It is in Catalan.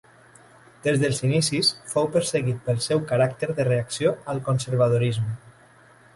Des dels inicis fou perseguit pel seu caràcter de reacció al conservadorisme.